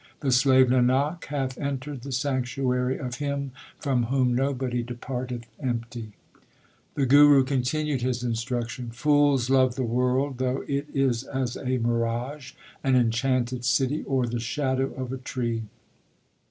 The slave Nanak hath entered the sanctuary of Him from whom nobody departeth empty. 1 The Guru continued his instruction : Fools love the world though it is as a mirage, an enchanted city, or the shadow of a tree.